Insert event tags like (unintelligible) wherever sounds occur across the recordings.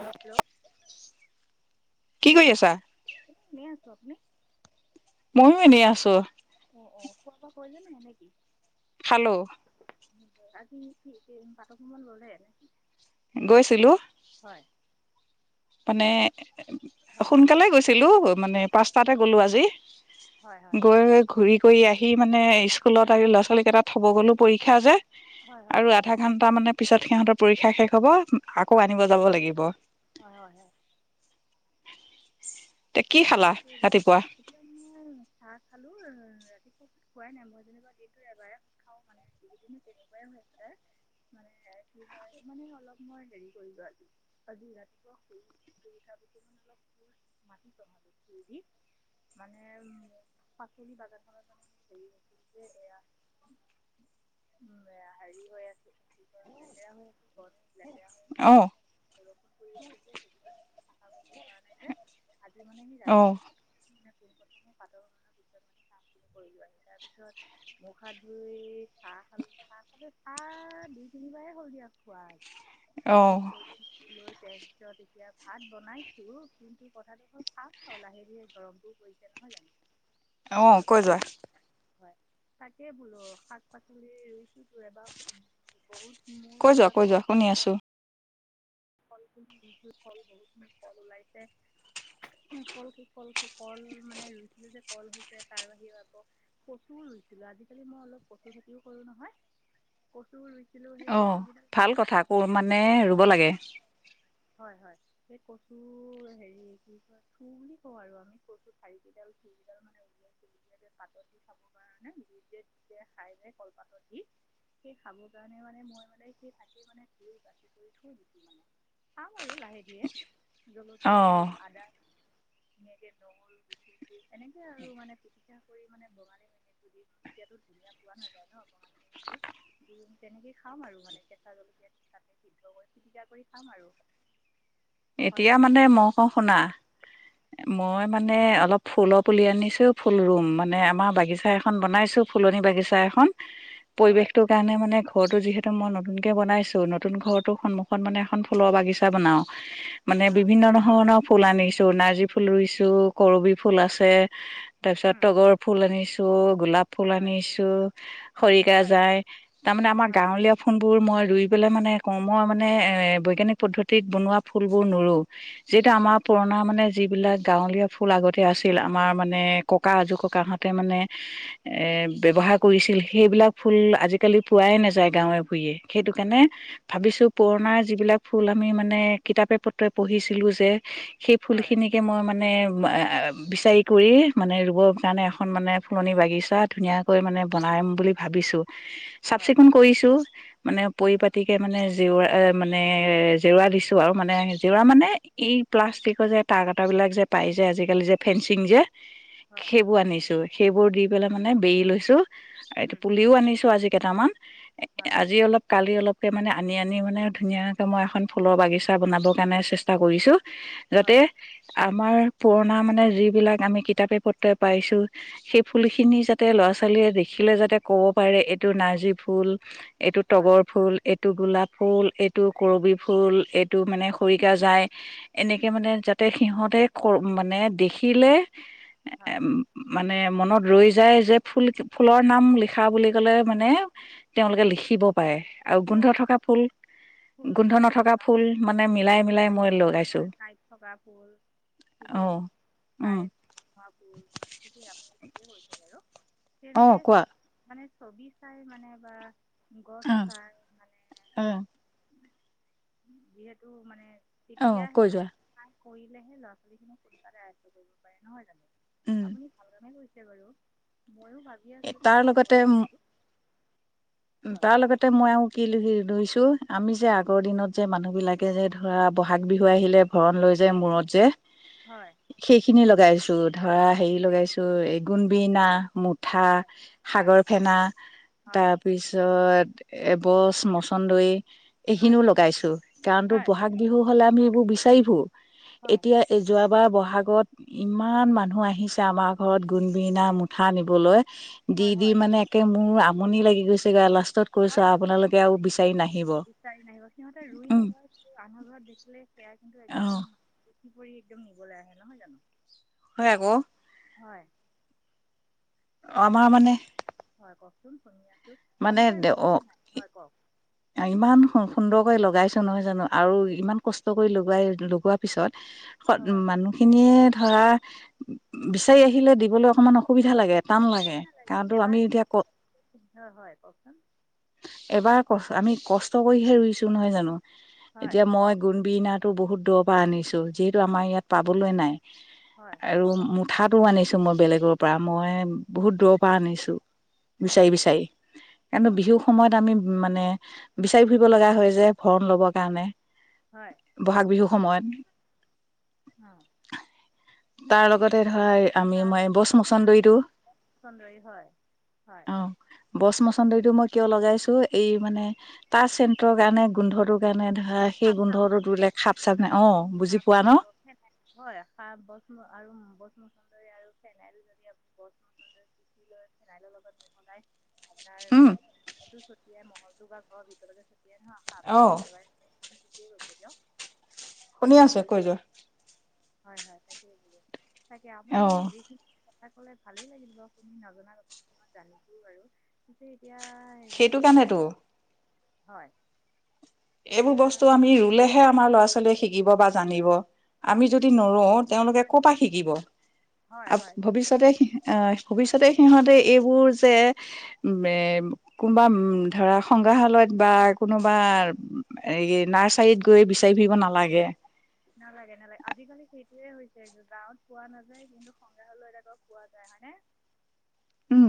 Hello, কি কৰি আছা। কনে আছো আপুনি ময়ও এনেই আছো। অ', অ', কোৱা পৰা কলে নাই এনোইকি হেল্ল', আজি কি পাটকান ললে নেকি। গৈছিলো। হয় মানে হয় হয় সোনকালে গৈছিলো মানে পাচটাতে গ'লো আজি। হয় হয় গৈ - গৈ ঘূৰি কৰি আহি সি মানে স্কুলত আহি ল'ৰা ছোৱালী কেইটাত থব গ'লো পৰীক্ষা যে হয় আৰু হয় আধা ঘন্টা মানে পিছত সিহতৰ পৰীক্ষা শেষ হব আকৌ হয় আনিব যাব লাগিব। হয়, হয়, হয় এতিয়া কি খালা ক ৰাতিপুৱা তেতিয়া মই চাহ খালো ৰাতি পুত খোৱাই নাই মই যেনিবা এইটো এবাৰে খাও মানে এইদিনো তেনেকুৱাই হৈ আ হৈছে। মানে কি হয় মানে অলপ মই হেৰি কৰিলো আজি আজি ৰাতিপুৱা সু থাক অলপ মাটি চভাব। (inaudible) মানে উম, পাচলি বাজাৰখনত মানে ম হেৰি আছিল যে এয়া (inaudible) উম, বেয়া হেৰি হৈ আছে লেতেৰা ম অহ ', ৰষণ কৰি আছিল যে সেইশা কৰিব পৰা নাই যে আজি মানে সি ৰাতি। অ োনথমেে চিন কৰিলো আহি তাৰপিছত মুখা ধুই চাহ খালো চাহ খালে চাহ। দুই তিনিবাৰে হ দিয়া অ খোৱা কৰি লৈ তাৰ পিছত এতিয়া ভাত বনাইছো কিন্তু কথাটো অল খাল। লাহেে দৰৱবোৰ কৰিছে নহয় জানো অ হয় কৈ যোৱা কওকচোন হয়। তাকেই বোলো শাক পাচলি ৰুইচো এবাৰ বহুত কৈ মোৰ যোৱা এবাৰ কৈ যোৱা ক শুনি আছো ফলখ নিজুৰ ফল বহুতখিনি কল ওলাইছে কল কি কল কি কল মানে ৰুইছিলো যে কল হৈছে তাৰাহি পাব কচুৰ ম অ ক খ কৰো নহ (unintelligible) অ ভাল কথা ক মানে ৰুব লাগে হয় - হয় এই কচু হেৰি কি কয় থু বুলি কও আৰু আমি কচু ঠাৰি কেইটাল থ মানে উলিয়াই উলিয়াই পাতত দি খাব কাৰণে গই যে খাইাই কলপাতত দি সেই খাব কাৰণে মানে মই মানে সেই তাকে মানে বা কৰি থ পাম আৰু লাহে ধীয়ে অ জলকীয়া দিম আদা ধুনুয়াকে নহৰুু এনেকে আৰু মানে পিটিকা কৰি মানে বগালে ম ধুনীয়া পোৱা নাযায় ন বঙালী তেনেকে খাম আৰু মানে কেঁচা জলকীয়াাসিদ্ধ কৰি চিকা কৰি কাম আৰু হয় এতিয়া মানে কওকচোন মই কওঁ শুনা হয় মই মানে অলপ ফুলপ পুলি আনিছো ফুল ৰুম মানে আমাৰ বাগিছা এখন বনাইছো ফুলনি বাগিছা এখন হয় পৰিৱেশটোৰ কাৰণে মানে ঘৰটো যিহেতু মই নতুনকে বনাইছোঁ নতুন ঘৰটোৰ সন্মুখত মানে এখন ফুলৰ বাগিছা বনাওঁ মানে অঁ বিভিন্ন ধৰণৰ ফুল আনিছো নাৰ্জী ফুল ৰুইছো কৰবি ফুল আছে। তাৰ পিছত তগৰ ফুল আনিছো গোলাপ। ফুল হয় আনিছো খৰিকা হয় যাই তাৰ মানে আমাৰ হয় গাঁৱলীয়া ফুল বোৰ মই ৰুই পেলাই মানে কৰ্ম মানে এ বৈজ্ঞানিক পদ্ধতিত বনোৱা ফুলবোৰ নৰো যিহেতু আমাৰ হয় পুৰণা মানে যিবিলাক গাৱলীয়া ফুল আগতে আছিল আমাৰ মানে ককা আজোৰ ককাহতে মানে ব ব্যৱহাৰ কৰিছিল সেইবিলাক ফুল আজিকালি পোৱাই নাযায় গাঁৱে ভুে সেইটো কাৰণে ভাবিছোঁ পুৰণা যিবিলাক ফুল আমি মানে কিতাপে পত্ৰই পঢ়িছিলো যে সেই হয় ফুলখিনিকে মই মানে বিচাৰি কৰি মানে ৰুবৰ কাৰণে এখন মানে ফুলনি বাগিচা ধুনীয়াকৈ মানে বনাই বনাম বুলি ভাবিছো চাফ হয় চিকুণ কৰিছো মানে পৰিপাতি কে মানে, জেওৰা মানে এ জেওৰা দিছো। টো আৰু মানে জেওৰা মানে, এই প্লাষ্টিকৰ যে তাৰ কটা বিলাক যে, পাই যে আজিকালি যে ফেঞ্চিং যে, হয় সেইবোৰ আনিছো সেইবোৰ দি পেলাই মানে বেয়ী লৈছো। এইটো উম পুলিও আনিছো আজি কেইটামান এ হয় আজি অলপ কালি অলপ। মানে আনি আনি মানে ধুনীয়াকে মই এখন ফুলৰ বাগিছা বনাবৰ কাৰণে চেষ্টা কৰিছো। যাতে হয় আমাৰ পুৰণা মানে যিবিলাক আমি কিতাপে পত্ৰ পাইছো, সেই ফুল খিনি যাতে ল'ৰা ছোৱালীয়ে দেখি থিকিলে যাতে ক'ব পাৰে এইটো নাৰ্জী ফুল, এইটো হয় তগৰ ফুল, এইটো গোলাপ ফুল, এইটো কৰবি ফুল, এইটো মানে খৰিকা যায়। এনেকে উম মানে যাতে সিহঁতে ক মানে দেখিলে। এ হয় মানে মনত ৰৈ যায় যে ফুল ফুলৰ নাম লিখা বুলি কলে মানে তেওঁলোকে লিখিব পাৰে। আৰু গোন্ধ অঁ থকা ফুল গোন্ধ নথকা ফুল মানে মিলাই কাঁইটীয়া মিলাই ফুল মিলাই মই হয় লগাইছো, হয় কাঁইট অহ কাইতপুৰ মানে (unintelligible) কি আপুনি (unintelligible) কোৱেছে বাৰু অ তেনেকে কোৱা মানে ছবি চাই মানে বা গছ, অম চাই (unintelligible) যিহেতু মানে অ' তেতিয়াহে কৈ যোৱা কৰিলেহে ল'ৰা ছোৱালী খিনিক সোনকালে আয়ত্ব কৰিব পাৰে নহয় জানো উম আপুনি ভালে বাৰু। ময়ো ভাবি আছোঁ তাৰ তেনেকে কৰোঁ বুলি। উ হয় তাৰ লগতে কওকচোন মই কি ৰুইছো আমি যে আগৰ দিনত যে মানুহবিলাকে যে ধৰা বহাগ বিহু আহিলে ভৰণ লৈ যায় মুৰত যে হয় সেইখিনি লগাইছো ধৰা হেৰি লগাইছো এই গোনবিনা মুঠ পিঠা হয় হয় সাগৰ ফেনা হয় তাৰ তাৰপিছত এবছ মচন্দৰ এইখিনিও হয় হয় লগাইছো কাৰণ তো বহাগ বিহু হলে আমি এইবোৰ বিচাৰি ফুৰো হয় এতিয়া যোৱা বাৰ বহাগত ইমান মানুহ আহিছে আমাৰ ঘৰত গুণবিৰিনা মুঠা নিবলৈ দি হয় দি হয় মানে একে মোৰ আমনি লাগি গৈছে গৈ লাষ্টত কৈছো হয় দিয়ক আপোনালোকে সিহঁতে আৰু বিচাৰি না বিচাৰি নাহিব সিহঁতে ৰুই নলয় আন্ধাৰ ঘৰত দেখিলে সে কিন্তু অ একদমচি পৰি একদম নিবলৈ আহে নহয় জানো হয় আকৌ হয় তাক আমাৰ কি মানে হয় কওকচোন শুনি আছে মানে অমিতাৰ অ কিছমান নাই হয় কওক ইমান সুন্দৰকৈ লগাইছো নহয় জানো আৰু ইমান কষ্ট কৰি লগাই লগোৱাৰ পিছত উ হয় মানুহখিনিয়ে ধৰা বিচাৰি আহিলে দিবলৈ অকনমান অসুবিধা লাগে টান অসুবিধা লাগে কাৰণতো আমি এতিয়া ক এবাৰ হয় কওকচোন এবাৰ ক আমি কষ্ট কৰিহে ৰুইছো নহয় জানো হয় এতিয়া মই গুণবি নাট বহুত দূৰৰ পৰা আনিছোঁ যিহেতু আমাৰ ইয়াত পাবলৈ নাই হয় (unintelligible) আনিছো মই বেলেগৰ পৰা মই বহুত দূৰৰ পৰা আনিছো। হয় বিচাৰি বিচাৰি কিনো বিহুৰ সময়ত আমি মানে বিচাৰি ফুৰিব লগা হয় যে ভৰণ লবৰ কাৰণে হয় বহাগ বিহু সময়ত অ তাৰ লগতে ধৰা আমি তাত মই বচ মচন্দৰটো চন্দৰী হয় হয় অ বছ ম (unintelligible) মই কিয় লগাইছো। এই মানে তাচ চেন্টৰ কাৰণে গোন্ধৰটোৰ কাৰণে ধ (unintelligible) বহুত (unintelligible) বুজি পোৱা ন আপোনাৰ সো ছটিয়াই মহলটো বা ঘৰৰ ভিতৰকে ছটিয়াই ন সাপ অ চাপ একোৱে দিকে কোছা দিয়ক শুনি আছে কৈয় যোৱা হয় হয় তাকেই তাকে আপুনি যোৱা যিখিন কথা লে ভালেই লাগিল বুলি তুমি নজনা তথা কিছুমান জানিছোও বাৰু কিন্তু এতিয়া হেৰি সেইটো উম, কাৰণেতো হয় এইবোৰ এতিয়া বস্তু আমি ৰুলেহে আমাৰ ল'ৰা ছোৱালী শিকিব বা জানিব আমি যদি নৰো তেওঁলোকে ক' পৰা শিকিব হয় আ হয় ঠিকেই ভৱিষ্যতে অহ ভৱিষ্যতে সিহঁতে এইবোৰ যে কোনোবা ধৰা সংগ্ৰাহালয়ত বা কোনোবা এই নাৰ্চাৰীত গৈ বিচাৰি ফুৰিব নালাগে নালাগে নালাগে আজিকালি সেইটোয়ে হৈছে গাঁৱত পোৱা নাযায় কিন্তু সংগ্ৰাহালয় লৈয় পোৱা যায় হয়নে (unintelligible) উম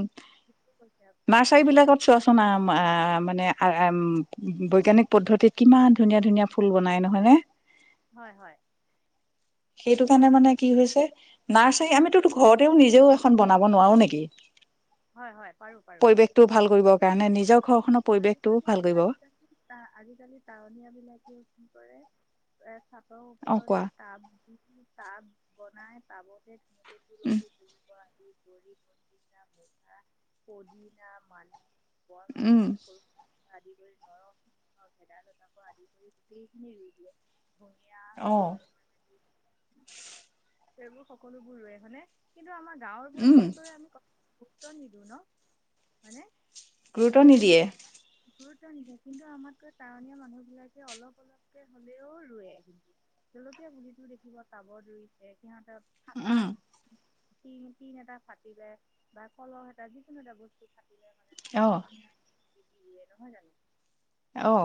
কি কৈছে নাৰ্চাৰী আপুনি হয় বিলাকত চোৱাচোন আ মানে বৈজ্ঞানিক পদ্ধতি কিমান ধুনীয়া ধুনীয়া ফুল বনাই নহয়নে হয় হয়। সেইটো কাৰণে মানে কি হৈছে। নাৰ্চাৰী আমিতো ঘৰতেও নিজেও এখন বনাব নোৱাৰো নেকি? হয় হয় পাৰো পাৰো পাৰো। পৰিৱেশটো ভাল কৰিবৰ কাৰণে নিজৰ ঘৰখনক। আজিকালি, আজিকালি, আজিকালি টাৱনিয় বিলাকেও কি কৰে। এ চাটৰ অ কোৱা ওপৰতে টাব দি টাব বনাই টাবতে ধ। উম গ ম পদিনা মান (unintelligible) উম। দৰ ভেদাইলতাক আদি কৰি গোটেইখিনি ৰুই দিয়ে। ধনীয়া অ। গছ এইবোৰ সকলোবোৰ ৰোৱে হৈয়নে। কিন্তু আমাৰ গাঁৱৰ বোৰে উম কি কৰে আমি ক। ত নিদু ন হয়নে। গুৰুত্ব নিদিয়ে। গুৰুত্ব নিদিয় কিন্তু আমাতকৈ টাৱনীয়া মানুহ বিলাকে অলপ অলপকে হ'লেও ৰোৱে কিন্তু। জলকীয়া পুলিতো দেখিবা টাবত ৰুইছে। সিহতৰ ফটা উম তি তিন এটা ফাটিলে বা ফলহ এটা যিকোনো এটা বস্তু খাটিলে মানে অ তাতেই পৰি নহয় জানো। আহ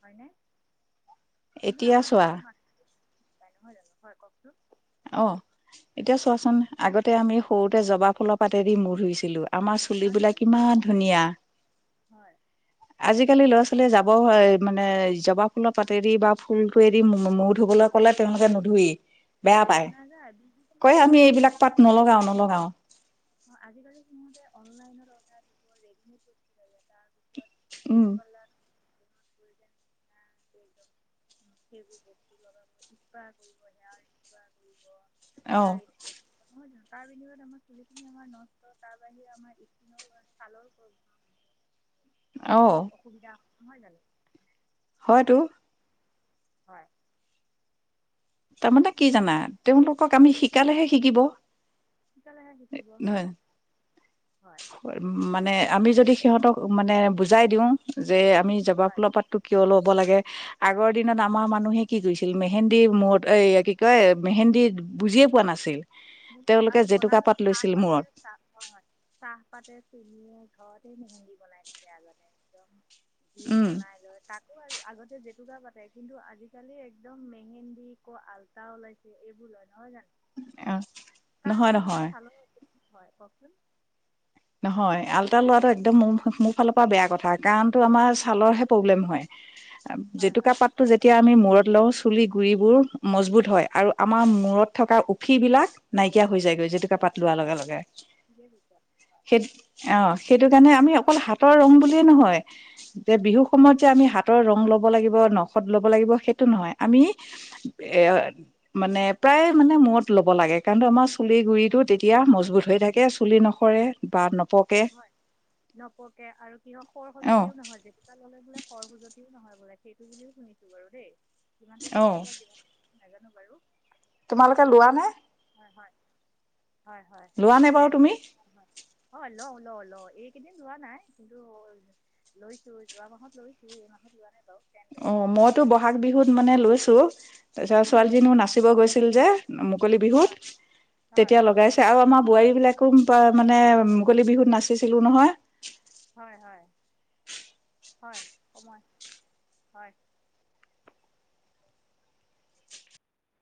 হয় নৈ কিন্তু এতিয়া আমাৰ চোৱা গাঁৱৰ মানুহ নহয় জানো হয় কওকচোন। অ এতিয়া চোৱাচোন আগতে আমি হয় সৰুতে জবা ফুলৰ পাতেদি মূৰ ধুইছিলো। আমাৰ চুলিবিলাক আজিকালি নতুন কিমান ধুনীয়া। হয় আজিকালি ল'ৰা ছোৱালীয়ে যাব মানে জবা ফুলৰ পাতেদি বা ফুলতেদি ম ধুব ধুবলৈ ক'লে তেওঁলোকে নুধুই। বেয়া পাই নাযায় কয়। ডিজিটেলতে আমি এইবিলাক পাত নলগাও নলগাও। অ আজিকালি সিহঁতে অনলাইন অৰ্ডাৰ। উম (unintelligible) (unintelligible) সেইবোৰ বস্তুৰ লগ (unintelligible) অ (unintelligible) তাৰ বিনিময়ত আমাৰ চুলিখিনি আমাৰ নষ্ট। তাৰ বাহিৰে আমাৰ ইখ ছালৰ পব অ অসুবিধা নহয় জানো। হয়তো। হয়। তাৰমানে কি জানা তেওঁলোকক আমি শিকালেহে শিকিব সিকালেহে শিকিব। হয় উ, মানে আমি যদি সিহঁতক মানে বুজাই দিওঁ যে আমি জবা হয় ফুলৰ পাতো কিয় ল'ব লাগে আগৰ দিনত আমাৰ মানুহে কি গৈছে মেহেন্দী মৰত এই কি কয় মেহেন্দী বুজিয়ে পোৱা নাছিলো। মুৰ্গি আৰু বনালো চাহপাতে মূৰত চাহ হয় চাহ পাতে চেনিয় ঘৰতে মেহেন্দী বনাই থাকে। আগতে একদম জুইত উম বনাই লৈ তাক। আগতে জেতুকা পাতে। কিন্তু আজিকালি একদম মেহেন্দী ক আলতা ওলাইছে এইবোৰ। ন জান। অ তাৰ নহয় নহয় বিনিময়ত ভাল হয় কওকচোন। নহয় আলতা লোৱাটো একদম মোৰ মোৰ ফালৰ পৰা বেয়া কথা। কাৰণ তো আমাৰ ছালৰহে প্ৰব্লেম হয়। হয় জেতুকা হয় পাতটো যেতিয়া আমি মূৰত লও চুলি গুৰিবোৰ মজবুত হয় আৰু আমাৰ মূৰত থকা উফি বিলাক নাইকিয়া হৈ যায়গৈ জেতুকা পাত লোৱা লগে লগে। সেই অ সেইটো কাৰণে আমি অকল হাতৰ ৰং বুলিয়ে নহয়। যে বিহু সময়ত যে আমি হাতৰ ৰুম ল'ব লাগিব নখত ল'ব লাগিব সেইটো নহয় আমি এ মানে। প্ৰায় মানে মূৰত ল'ব লাগে কাৰণটো আমাৰ চুলিৰ গুৰিটো তেতিয়া মজবুত হৈ থাকে, চুলি নখৰে। হয়, নপকে আৰু কি হয় সৰ অ সজুতিও নহয় তেতিয়া ল'লে বোলে খৰ সুজতিও নহয় বোলে সেইটো বুলিও শুনিছোঁ বাৰু দেই কিমান টো অ'। সঁচা বা যিমান, নাজানো। বাৰু তোমালোকে লোৱা নে? হয়, হয়, হয়, হয় লোৱা নে বাৰু সেটোৱে তুমি? হয়, অ' লওঁ। ল, ল এইকেইদিন লোৱা নাই কিন্তু লৈছো যোৱা মাহত লৈছো এই মাহত লোৱা নাই বাৰু। তেন তেন অ, মইতো বহাগ বিহুত মানে লৈছো, তাৰপিছত ছোৱালীজনীও নাচিব গৈছিল যে। মুকলি বিহুত হয় হয় তেতিয়া লগাইছে আৰু আমাৰ বোৱাৰী বিলাক‌ মানে মুকলি বিহুত নাচিছিলো নহয়। হয়, হয়। হয়, সময়, হয়।